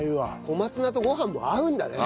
小松菜とご飯も合うんだね。